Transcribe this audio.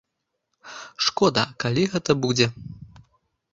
Шкода, калі гэта будзе.